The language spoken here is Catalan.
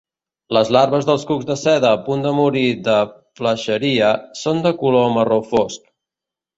Les larves dels cucs de seda a punt de morir de flacherie són de color marró fosc.